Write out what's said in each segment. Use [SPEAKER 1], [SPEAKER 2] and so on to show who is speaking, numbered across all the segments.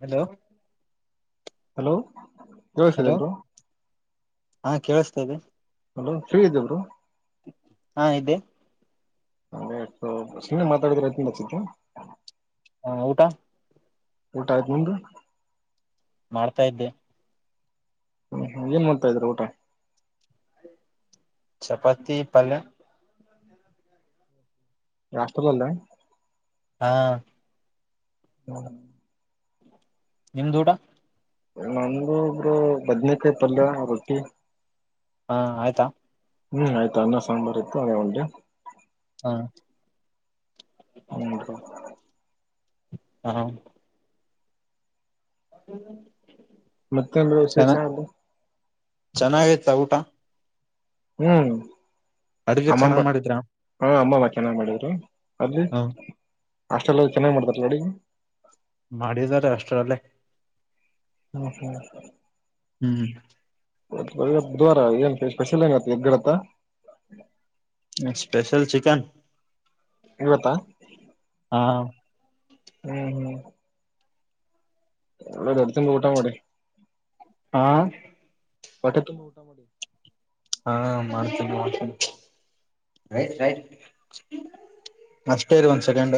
[SPEAKER 1] Hello
[SPEAKER 2] hello ಯಿಸಿದೆಬ್ರು
[SPEAKER 1] ಕೇಳಿಸ್ತದೆ
[SPEAKER 2] hello Shri ಇದಲ್ರು
[SPEAKER 1] ಹಾ ಇದೆ
[SPEAKER 2] ಅದೇಷ್ಟು ಸುಮ್ಮ ಮಾತಾಡಿದ್ರೆ ಅತಚ್ಚಿತ್ತು
[SPEAKER 1] ಹಾ ಊಟ
[SPEAKER 2] ಊಟ ಆಯ್ತು ನಿ್ದು
[SPEAKER 1] ಮಾಡ್ತಾ ಇದ್ದೆ
[SPEAKER 2] ಹ್ಮ್ ಏನ್ ಮಾಡ್ತಾ ಇದ್ರ ಊಟ
[SPEAKER 1] ಚಪಾತಿ ಪಲ್ಯ
[SPEAKER 2] ರಾಷ್ಟಲ್ಲ ಅಲ್ಲ
[SPEAKER 1] ಹಾ
[SPEAKER 2] ಹ್ಮದು
[SPEAKER 1] ನಿಮ್ದ ಊಟ
[SPEAKER 2] ನಂಗಗು ಒಬ್ರು ಬದ್ನೇಕಾಯ ಪಲ್ಯ ರೊಟ್ಟಿ
[SPEAKER 1] ಹಾ ಆಯ್ತಾ
[SPEAKER 2] ಹ್ಮ್ ಆಯ್ತು ಅನ್ನ ಸಾಂಬಾರ್ ಆಯ್ತು ಅದೇ ಒಂಡೆ
[SPEAKER 1] ಹಾ
[SPEAKER 2] ಹ್ಮದು
[SPEAKER 1] ಹಾ ಹ
[SPEAKER 2] ಮತ್ತೆೇನ್ ವಿಸೇಷದು
[SPEAKER 1] ಸ ಊಟಾ
[SPEAKER 2] ಹ್ಮ್
[SPEAKER 1] ಅಡುಗೆ
[SPEAKER 2] ಅಮ್ಮಮ್ಮ
[SPEAKER 1] ಚೆನ್ನಾಗ್ ಮಾಡಿದ್ರ
[SPEAKER 2] ಹಾ ಅಮ್ಮಮ್ಮ ಚನ್ನ ಮಾಡಿದ್ರು ಅದು
[SPEAKER 1] ಹ
[SPEAKER 2] ಅಷ್ಟೆಲ್ಲ ಚೆನ್ನಾಗ್ ಮಾಡ್ತಾರ ನಡಿ
[SPEAKER 1] ಮಾಡಿದಿದ್ದಾರೆ ಅಷ್ಟರ ಅಲ್ಲೇ
[SPEAKER 2] ಹ್ಮ ಹ್ಮ
[SPEAKER 1] ಹ್ಮ್್ಮ
[SPEAKER 2] ಬುದುವಾರಏನ್ ಸ್ಪೆಷಲ್ ಏನ್ ಎಗ್ ಇರುತ್ತಾ
[SPEAKER 1] ಸ್ಪಷಲ್ ಚಿಕನ್
[SPEAKER 2] ಇವತ್ತಾ
[SPEAKER 1] ಹಾ
[SPEAKER 2] ಹ್ಮ್ ಹ್ಮ್ [unintelligible] ಊಟ ಮಾಡಿ
[SPEAKER 1] ಹಾ
[SPEAKER 2] ಹೊಟ್ಟೆ ತುಂಬಊಟಾ ಮಡಿ
[SPEAKER 1] ಹಾ ಮಾಡ್ತೀನೀ ಮಾಡ್ತೀನಿ ಮಾಡ್ತ ಅಷ್ಟೇರಿ ಒಂದ್ ಸೆಕೆಂಡ್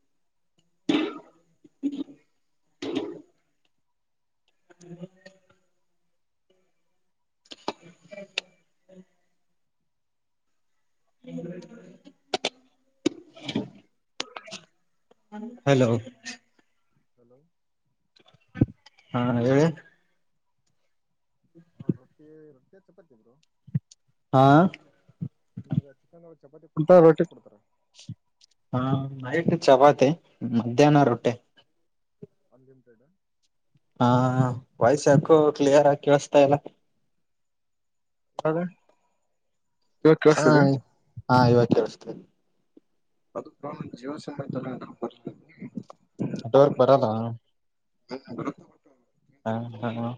[SPEAKER 2] [inaudible]
[SPEAKER 1] ಹ್ಮ [inaudible] ಹ [inaudible] ಹಲೋ
[SPEAKER 2] ಹಲೋ
[SPEAKER 1] ಹಾ ಹೇಳಿ
[SPEAKER 2] ಆ ರೊಟ್ಟಿ ರೊಟ್ಟಿ ಚಪಾತಿ ಬ್ರೋ
[SPEAKER 1] ಹಾ
[SPEAKER 2] ಚಿಕನ್ ಚಪಾತಿ ಕುಡ್ತ ರೊಟ್ಟಿ ಕೊಡ್ತಾರ
[SPEAKER 1] ಹಾ ನೈಟ್ ಗೆ ಚಪಾತಿ ಮಧ್ಯಾಹ್ನ ರೊಟಿ
[SPEAKER 2] ಅನ್ಲಿಮಿಟೆಡ್
[SPEAKER 1] ಹಾ ವಯ್ಸ್ ಯಾಕು ಕ್ಲಿಯರ್ ಕೇಳಸ್ತಾ ಇಲ್ಲ
[SPEAKER 2] ಇವಾಗ ಇವಾಗ
[SPEAKER 1] ಹಾ
[SPEAKER 2] ಕೇಳಿಸ್ತಿದೆ
[SPEAKER 1] ಹಾ ಇವಾಗ ಕೇಳಸ್ತನೆ
[SPEAKER 2] ಅದು ಪ್ರ ಜೀವ ಸೀಮಾಯಿತಲ್ಲ ಅದಕ್ಕೆ
[SPEAKER 1] ನಟವರ್ಕ್ ಬರಲ್ಲಾ
[SPEAKER 2] [unintelligible]
[SPEAKER 1] ಹ್ಮ ಹಾ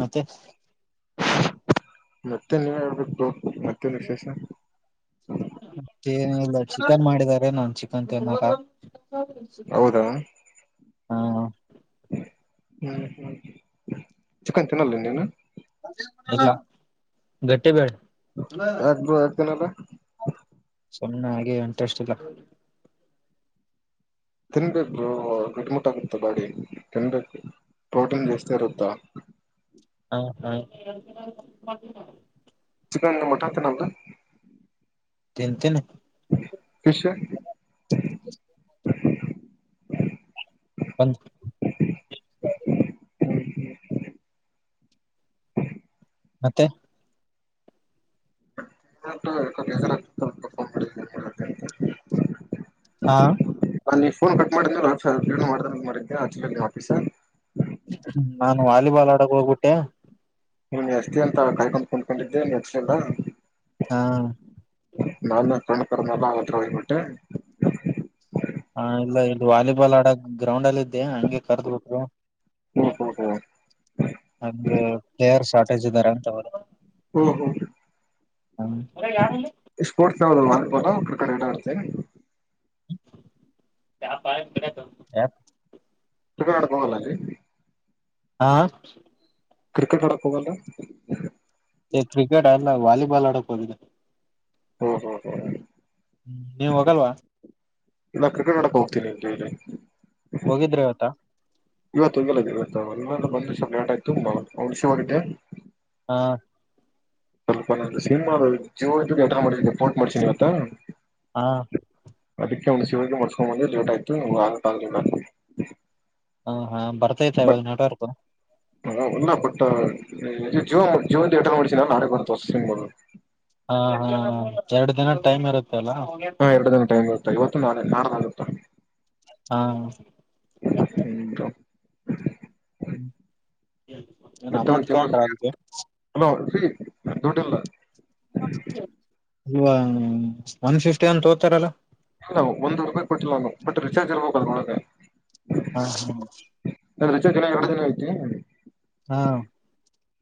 [SPEAKER 1] ಮತ್ತೆ
[SPEAKER 2] ಮತ್ತೆ ನೀವ ಹೇಳ್ಬೇಕು ಮತ್ತೆ ವಿಶೇಷ
[SPEAKER 1] ಮೇನಲ್ಲ ಚಿಕನ್ ಮಾಡಿದಿದ್ದಾರೆ ನಾ ಚಿಕನ್ ತಿನ್ಕ
[SPEAKER 2] ಹೌದಾ
[SPEAKER 1] ಹಾ
[SPEAKER 2] ಹ್ಮ್ ಹ್ಮ್ ಚಕ್ಕನ್ ತಿನ್ನಲ್ಲ ನೀನು
[SPEAKER 1] ಗಟ್ಟೆ ಬೇಡ
[SPEAKER 2] ಯಾಕೋ ನೀವು ತಿನ್ನಲ್ಲ
[SPEAKER 1] ಸುನೆ ಹಾಗೆ ಇಂಟ್ರೆಸ್ಟ್ ಇಲ್ಲ
[SPEAKER 2] ತಿನ್ಬೇಕರು ಗಟ್ ಮುಟ್ಟ ಆಗುತ್ತ ಬಾಡಿ ತಿನ್ಬೇಕು ಪ್ರೋಟಿನ್ ಜಾಸ್ತೀರುತ್ತ
[SPEAKER 1] ಹಾ ಹ
[SPEAKER 2] ಚಿಕನ್ ಮಟನ್ [unintelligible]
[SPEAKER 1] ತಿನ್ ತಿನ್
[SPEAKER 2] ಫಿಶ್
[SPEAKER 1] ಬಂದ್ ಮತ್ತೆ
[SPEAKER 2] ಹ
[SPEAKER 1] ಹಾ
[SPEAKER 2] ನೀ ಫೋನ್ ಕಟ್ ಮಾಡಿದ ಮ್ಯಾಲ ಮಾಡ್ಬೇಕ್ ಅಂತ ಮಾಡಿದ್ಯಾ ಹಚ್ಚಬೇಕ್ ನಾ ಆಫೀಸ.
[SPEAKER 1] ನಾನು ವಾಲಿಬಾಲ್ ಆಡಕ್ ಹೋಗ್ಬಿಟ್ಟೆ
[SPEAKER 2] ಹ ಹಚ್ತಿ ಅಂತ ಕಾಯಕೊಂಡು ಕುಂದ್ಕೊಂಡಿದ್ದೆ ಹಚ್ಲಿಲ್ಲಾ.
[SPEAKER 1] ಹಾ.
[SPEAKER 2] ನಾ ಕಣಕರ್ ನಲ್ಲ ಆತ್ರ ಹೋಗಬಿಟ್ಟೆ.
[SPEAKER 1] ಹಾ ಇಲ್ಲ ಇದು ವಾಲಿಬಾಲ್ ಆಡ ಗ್ರೌಂಡ್ ಏಲ್ಲಿ. ಹಂಗೆ ಕರ್ದಬಟ್ರು
[SPEAKER 2] ಹ್ಮ್
[SPEAKER 1] ಅ
[SPEAKER 2] ಹ್ಮ್ ಹ್ಮ್
[SPEAKER 1] ಹಂಗೆ ಪ್ಲೇಯರ್ಸ. ರಜದಾರಂತ ಅವ್ರು.
[SPEAKER 2] ಹ್ಮ್ ಹ್ಮ್
[SPEAKER 1] ಹ ಹಲೋ ಯಾರಲ್ಲಿ.
[SPEAKER 2] ದೊಡ್ಡವ ಆಗಿ ಕ್ರಿಕೆಟ್ ಆಟ ಆಡ್ತಿ ಏನ್.
[SPEAKER 1] ಯಪಾಯ ಬರ
[SPEAKER 2] ಜೂಗ ಆಡಕ್ ಹೋಗಲ್ಲರಿ.
[SPEAKER 1] ಹಾ.
[SPEAKER 2] ಕ್ರಿಕೆಟ್ ಆಡಕ್ ಹೋಗಲ್ಲ.
[SPEAKER 1] ಕ್ರಿಕೆಟ್ ಅಲ್ಲ ವಾಲಿಬಾಲ್ ಆಡಕ್ ಹೋಗಿದೆ.
[SPEAKER 2] ಓಹೋಹೋ.
[SPEAKER 1] ನೀವ್ ಹೋಗಲ್ವಾ
[SPEAKER 2] ಇಲ್ಲ ಕ್ರಿಕೆಟ್ ನೋಡಕ್ ಹೋಗ್ತೀನಿ ಇ ಇಲ್ಲಿ
[SPEAKER 1] ಹೋಗಿದ್ರೆ ಅವವತ್ತ
[SPEAKER 2] ಇವತ್ತುಂಲ್ಲ ಇವತ್ತು ಅಲ್ಲಲ್ಲ ಬಂದ ಸ್ವಲ್ ಲೇಟ ಆಯ್ತುಂಬಳ ಶಿವಿದ್ದೆ
[SPEAKER 1] ಹಾ.
[SPEAKER 2] ಸ್ವಲ್ಪ ನ ಸಿನಿಮಾ ಜೋ ಇದ ಅಟ ಮಾಡ ಪೋರ್ಟ್ ಮಾಡ್ಸಿನನಿವತ್ತ
[SPEAKER 1] ಹಾ.
[SPEAKER 2] ಅದಕ್ಕೆ ಅವ್ ಸಿವಗೆ ಮಾಡಸ್ಕೊಂಡ್ ಬಂದ್ರೆ ಲೇಟ್ ಆಯ್ತು ಅಗಾಕ್ ಆಗಲಿಲ್ಲ.
[SPEAKER 1] ಹ ಹಾ ಬರ್ತೈತಾ ಇವಾಗ ನೆಟ್ವರ್ಕ್.
[SPEAKER 2] ಹ ಅಲ್ಲ ಬಟ್ ಜನ್ ಜವನ್ ನ ನಾ ಬ್
[SPEAKER 1] ಹಾ ಹಾ ಎರಡ್ ದಿನ ಟೈಮ್ ಇರುತ್ತೆ. ಅಲ್ಲ
[SPEAKER 2] ಹಾ ಎರಡು ದಿನ ಟೈಮ್ ಇರುತ್ತಾ ಇವತ್ತು ನಾಡಿದ ನಾಳೆತ್ತಾ.
[SPEAKER 1] ಹಾ
[SPEAKER 2] ಹ್ಮ್
[SPEAKER 1] ಹ್ಮ್
[SPEAKER 2] ಮತ್ತೆಂದುಲೋ ಹಲೋ ಶ್ರೀ ದುಡ್ಡಿಲ್ಲ.
[SPEAKER 1] ಇ ಒನ್ ಫಿಫ್ಟಿ ಅಂತ ಓದ್ತಾರಲ್ಲ.
[SPEAKER 2] ಇಲ್ಲ ಒಂದ ರೂಪಾಯಿ ಕೊಟ್ಟಿಲ್ಲ ನಾವು ಬಟ್ ರೀಚಾರ್ಜ್ ಇರ್ಬೇಕ ಅದರ ಒಳಗ.
[SPEAKER 1] ಹಾ.
[SPEAKER 2] ರಜಾ ಎರಡು ದಿನ ಐತಿ.
[SPEAKER 1] ಹಾ.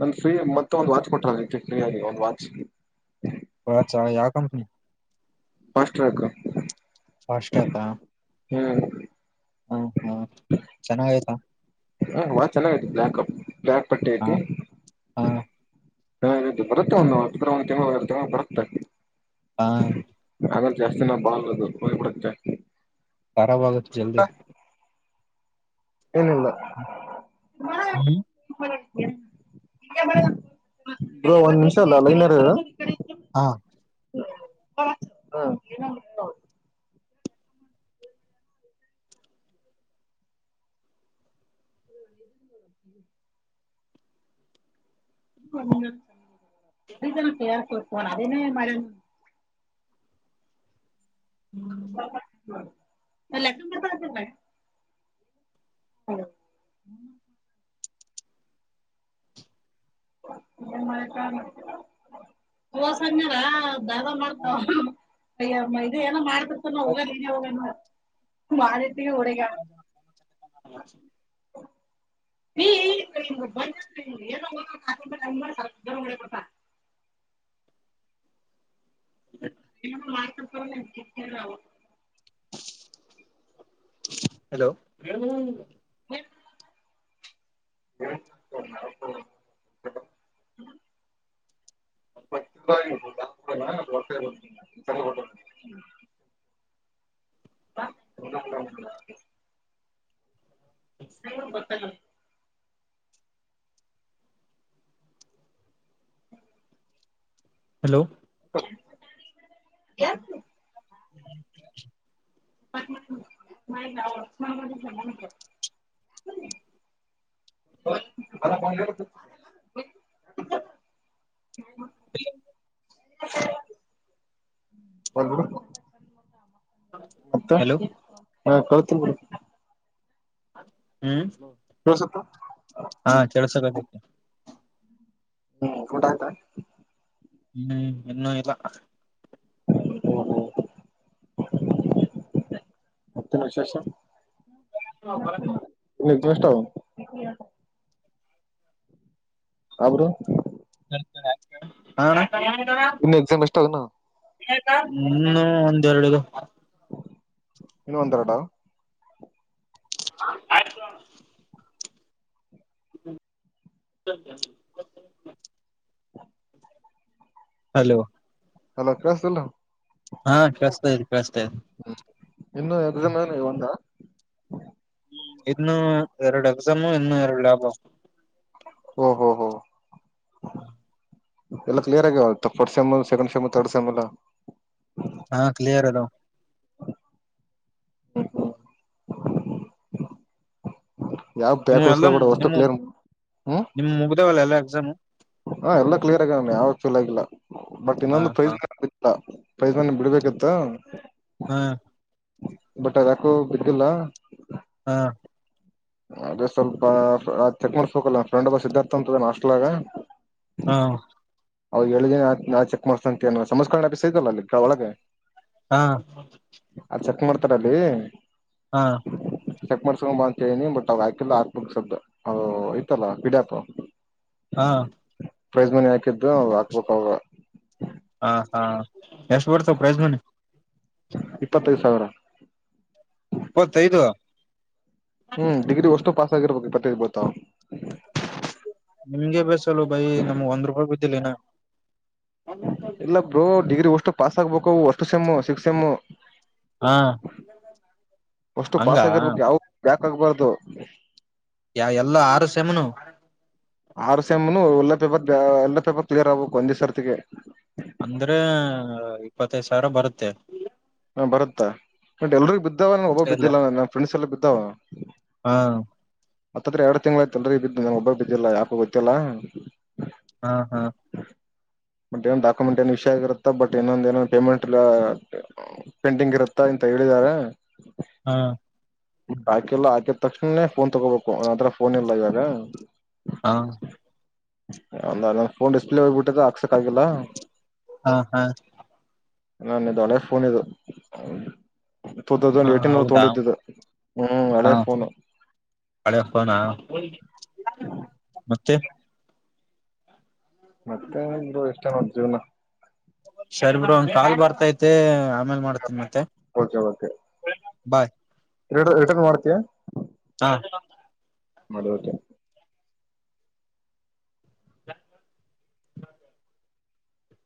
[SPEAKER 2] ನನ್ ಫ್ರೀ ಮತ್ತೆ ಒಂದು ವಾಚ್ ಕೊಟ್ಟಾರಿ ಫ್ರೀ ಆಗ ಒಂದ್ ವಾಚ್.
[SPEAKER 1] ವಾಚಾ ಯಾವ ಕಂಪನಿ.
[SPEAKER 2] First rank.
[SPEAKER 1] ಫಾಸ್ಟ್
[SPEAKER 2] ಹ್ಮ್
[SPEAKER 1] ಹಾ ಹಾ ಚೆನ್ನಾಗ ಆಯ್ತಾ
[SPEAKER 2] ಹ ವಾ ಚೆನ್ನಾಗ ಐತಿ ಬ್ಲಾಕ್ಪ್ ಬ್ಲಾಕ್ ಪಟ್ಟಿ
[SPEAKER 1] ಹ
[SPEAKER 2] ಐತಿ
[SPEAKER 1] ಹಾ
[SPEAKER 2] ಹಾ ಬರುತ್ತ ಒಂದು. ಇದ್ರ ಒಂದ ತಿಂಗಳ ಒಂದ ತಿಂಗಳ ಬರುತ್ತೆ.
[SPEAKER 1] ಹಾ.
[SPEAKER 2] ಹಾಗಾಗಿ ಜಾಸ್ತಿನಾ ಬಾಳದು ಹೋಗ್ಬಿಡುತ್ತೆ.
[SPEAKER 1] ಪರವಾಗಿಗತ್ತು ಚ್ದ
[SPEAKER 2] ಏನಿಲ್ಲ.
[SPEAKER 1] ಹ್ಮ್
[SPEAKER 2] ಬ್ರೋ ಒನ್ನಿಮಿಷ ಲೈನಲ್ ಇರು
[SPEAKER 1] ಹಾ
[SPEAKER 2] ಹ ನ [unintelligible] [inaudible] [unintelligible] ಕತ ಅದೇನ ಮಾಡ ಅಲ್ಲ ತಂಬತ್ತತೆ ಹಲೋ. [unintelligible] ತೋರಸಾಂದನೆಲ ದಗದ ಮಾಡ್ತವ ಅಯ್ಯ ಇದ ಏನೋ ಮಾಡ್ತಿರ್ತ ನ ಹೋಗ ಹೋಗಂದ. ಮಾಡಿಟ್ಟ ಓಡಿ ಹೋಗಿಯಾಳ [inaudible] [inaudible] ಏನಾರ ಮಾಡ್ಕಂತ [unintelligible]
[SPEAKER 1] [inaudible] ಹಲೋ [unintelligible]
[SPEAKER 2] [inaudible] ಹ್ಮ [inaudible] [inaudible] [inaudible] [inaudible]
[SPEAKER 1] ಹಲೋ.
[SPEAKER 2] ಎತ್ತು
[SPEAKER 1] [inaudible]
[SPEAKER 2] [unintelligible] [unintelligible] [unintelligible]
[SPEAKER 1] [unintelligible]
[SPEAKER 2] ಹೋಲಿಬೀಡು
[SPEAKER 1] ಹಲೋ.
[SPEAKER 2] ಹಾ ಕೌತಿರುಂಬಿಡು
[SPEAKER 1] ಹ್ಮ್
[SPEAKER 2] ಕೇಳಸುತ್ತಾ
[SPEAKER 1] ಹಾ ಕೆಳಸಕಗತತಿ
[SPEAKER 2] ಹ್ಮ್ ಊಟ ಆಯ್ತಾ
[SPEAKER 1] ಹ್ಮ್ ಇನ್ನೂ ಇಲ್ಲ.
[SPEAKER 2] [unintelligible] ಮತ್ತ ಏನ ವಿಶೇಷ.
[SPEAKER 1] ಭರತ.
[SPEAKER 2] ಎಷ್ಟ ಅದು ಹಾ ಬ್ರು
[SPEAKER 1] ಹಾ
[SPEAKER 2] ಇನ್ನು ಎಕ್ಸಾಮ್ ಎಷ್ಟ ಆವ ಇನ
[SPEAKER 1] ಇನ್ನು ಒಂದೆರಡ ಅದವ.
[SPEAKER 2] ಇನ್ನು ಒಂದರಡ
[SPEAKER 1] ಆಯ್ತೋ ಅಣ್ಣ. [inaudible]
[SPEAKER 2] [inaudible]
[SPEAKER 1] ಹಲೋ
[SPEAKER 2] ಹಲೋ ಕ್ರಾಸ
[SPEAKER 1] ಹಾ ಕೇಳಸಾತ ಇದೆ.
[SPEAKER 2] ಹ್ಮ ಇನ್ನು ಎಕ್ಸಾಮ್ ಏನು ಒಂದ.
[SPEAKER 1] ಇನ್ನು ಎರಡು ಎಕ್ಸಾಮು ಇನ್ನು ಎರಡು ಲ್ಯಾಬ
[SPEAKER 2] ಓ ಹೋ ಹೋ ಎಲ್ಲ ಕ್ಲಿಯರ್ ಆಗ್ಯಾವ. First same second same third same ಇಲ್ಲಾ.
[SPEAKER 1] ಹಾ ಕ್ಲಿಯರ್ ಅದಾವ.
[SPEAKER 2] ಹ್ಮ [inaudible] ಯಾವ
[SPEAKER 1] ನಿಮ್
[SPEAKER 2] ಬ್ಯಾಕ್
[SPEAKER 1] ಎಲ್ಲ
[SPEAKER 2] ಉಳ್ಸ್ಕೋಬೇಡ ಒಟ್ಟು
[SPEAKER 1] ನಿಮ್
[SPEAKER 2] ಕ್ಲಿಯರ್ ಮ
[SPEAKER 1] ನಿಮ್ ಮುಗ್ದಾವಲ್ಲ ಎಲ್ಲಾ ಎಕ್ಸಾಮು
[SPEAKER 2] ಹೂ ಹ ಎಲ್ಲಾ. ಕ್ಲಿಯರ್ ಆಗ್ಯಾವಮ ಯಾವು ಪೇಲ್ ಆಗಿಲ್ಲ ಬಟ್
[SPEAKER 1] ಹಾ
[SPEAKER 2] ಇನ್ನೊಂದು
[SPEAKER 1] ಹಾ
[SPEAKER 2] [unintelligible] [inaudible]
[SPEAKER 1] ಹಾ
[SPEAKER 2] ಬಟ ಯಾಕೋ ಬಿದ್ದಿಲ್ಲ.
[SPEAKER 1] ಹಾ.
[SPEAKER 2] ಅದೇ ಸ್ವಲ್ಪ ಚೆಕ್ ಮಾಡ್ಸ್ಬೇಕಲ್ಲ ಫ್ರೆಂಡ್ಬ್ಬ ಸಿದ್ಧಾರ್ಥ ಅಂತ ಅದನಾ ಹಾಸ್ಟೆಲ್ ದಾಗ.
[SPEAKER 1] ಹಾ.
[SPEAKER 2] ಅವ ಹೇಳಿದ ನಾ ಚೆಕ್ ಮಾಡ್ಸ್ತಂತ ಸಂಸ್ಕರಣ ಅಿಸ ಇದಲ್ಲ ಅಲ್ಲಿ ಒಳಗೆ.
[SPEAKER 1] ಹಾ.
[SPEAKER 2] ಚಕ್ ಮಾಡರ್ತಾರ ಅಲ್ಲಿ.
[SPEAKER 1] ಹಾ
[SPEAKER 2] ಚೆಕ್ ಮಾಡ್ಸ್ಕೊಂಡ್ ಬ ಅಂತನಿ ಬಟ್ ಅವ ಹಾಕೆಲ್ಲ ಹಾಕ್ಬೇಕು ಶಬ್ದ ಇಐತಲ್ಲ ಪಿಡಿಎಫ್.
[SPEAKER 1] ಹಾ.
[SPEAKER 2] ಪ್ರೈಸ್ ಮನಿ ಹಾಕಿದು ನ ಹಾಕ್ಬೇಕಕ್ ಅವಾಗ.
[SPEAKER 1] ಹ ಹಾ ಎಷ್ಟು ಬಡ್ತವ ಪ್ರಜ್ಮನ್.
[SPEAKER 2] ಇಪ್ಪತ್ತೈದು ಸಾವಿರ.
[SPEAKER 1] ಇಪ್ಪತ್ತೈದು.
[SPEAKER 2] ಹ್ಮ್ ಡಿಗ್ರಿ ಅಷ್ಟು ಪಾಸ್ ಆಗಿರ್ಬೇಕು ಬತರ್ಬೋತ.
[SPEAKER 1] ನಿಮ್ಗೆ ಬೇಸಲ್ಲ ಬೈ ನಮ್ಗ್ ಒಂದ್ ರೂಪಾಯಿ ಬಿದ್ದಿಲ್ಲ.
[SPEAKER 2] ಇಲ್ಲ ಬ್ರೋ ಡಿಗ್ರಿ ಒಷ್ಟು ಪಾಸ್ ಆಗ್ಬೇಕ ಅಷ್ಟು ಸಮ್ಮು ಸಿಕ್ ಸ ಎಮ್ಮು.
[SPEAKER 1] ಹಾ
[SPEAKER 2] ಅಷ್ಟು
[SPEAKER 1] ಹಂಗ
[SPEAKER 2] ಪಾಸ ಆಗಿರ್ಬೇಕು ಯಾವ ಬಕ್ ಆಗ್ಬಾರ್ದು.
[SPEAKER 1] ಯ ಎಲ್ಲ ಆರು ಸೆಮನು.
[SPEAKER 2] ಆರು ಸೆಮ್ ಒಳ್ಳೆ ಪೇಪರ್ ಎಲ್ಲ ಪೇಪರ್ ಕ್ಲಿಯರ್ ಆಗ್ಬೇಕು ಒಂದೇ್ ಸರ್ತಿಗೆ.
[SPEAKER 1] ಅಂದ್ರೆ ಇಪ್ಪತ್ತೈದ್ ಸಾವಿರ ಬರುತ್ತೆ.
[SPEAKER 2] ಹ ಬತ್ತಾ ಬಟ್ ಎಲ್ರಿೂ ಬಿದ್ದಾವ ನ ಒಬ್ಬ
[SPEAKER 1] ಎಲ್ಲ
[SPEAKER 2] ಬಿದ್ದಿಲ್ಲಲ್ಲ ನ ಫ್ರೆ್ಸ್ ಎಲ್ಲ ಬಿದ್ದಾವ.
[SPEAKER 1] ಹಾ
[SPEAKER 2] ಮತ್ತತ್ರ ಎರಡು ತಿಂಗ್ ಆಐತ ಅಲ್ರಿೀ ಬ ಒಬ್ಬರು ಬಿದ್ದಿಲ್ಲ ಯಾಕ ಗೊತ್ತಿಲ್ಲಾ.
[SPEAKER 1] ಹಾ ಹಾ.
[SPEAKER 2] ಬಟ್ಏ ಡಾಕ್ಯುಮೆಂಟ್ ಏನ್ ವಿಷಯ ಆಗಿರುತ್ತಾ ಬಟ್ ಇೊಂದ ಏನ ಪೇಮೆಂಟ್ ಪೆಂಡಿಂಗ್ ಇರುತ್ತ. ಹೇಳಿದಿದ್ದಾರೆ.
[SPEAKER 1] ಹಾ.
[SPEAKER 2] ಹಾಕೆಲ್ಲ ಹಾಕಿದ ತಕ್ಷಣೇ ಫೋನ್ ತಗೋಬೇಕು ನಂತರ ಫೋನ್ ಇಲ್ಲ ಇವಾಗ.
[SPEAKER 1] ಹಾ.
[SPEAKER 2] ಒಂದ ಫೋನ್ ಡಿಸ್ಪ್ಲೇ ಹೋಗ್ಬಿಟ್ಟಿದೆ ಆಕ್ಸಕ್ ಆಗಿಲ್ಲ.
[SPEAKER 1] ಹಾ ಹಾ.
[SPEAKER 2] ನನ್ ದಣೆ ಫೋನ್ ಇದು. ಎರಡು
[SPEAKER 1] ಹಾ
[SPEAKER 2] ಸಾವಿರದ ಹದಿನೆಂಟು ದಾಗ್
[SPEAKER 1] ಹೌದಾ
[SPEAKER 2] ತಗೊಂಡಿದ್ದಿದ್ದ ಹ್ಮ್ ಹಳೆ
[SPEAKER 1] ಹಾ
[SPEAKER 2] ಫೋನು ಹಳೇದು.
[SPEAKER 1] ಹಳೆ ಫೋನ್ ಆ ಮತ್ತೆ.
[SPEAKER 2] ಮತ್ತೆು ಇಷ್ಟನ ಒ ಜೀವ್ನ.
[SPEAKER 1] ಶರಿ ಬಿ್ರ ಒಂದ್ ಕಾಲ್ ಬರ್ತೈತೆ ಆಮೇಲ್ ಮಾಡ್ತನಿ.
[SPEAKER 2] Okay okay.
[SPEAKER 1] ಬಾಯ್.
[SPEAKER 2] ರಿ ರಿಟರ್ನ್ ಮಾಡ್ತೀಯಾ.
[SPEAKER 1] ಹಾ.
[SPEAKER 2] ಮಾಡು ಓಕೆ